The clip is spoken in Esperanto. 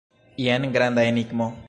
Jen granda enigmo!